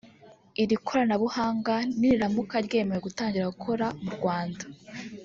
Iri koranabuhanga niriramuka ryemerewe gutangira gukora mu Rwanda